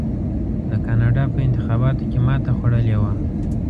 د کاناډا په انتخاباتو کې ماته خوړلې وه.